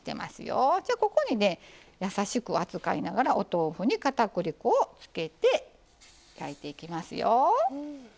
ここにやさしく扱いながらお豆腐にかたくり粉をつけて炊いていきますよ。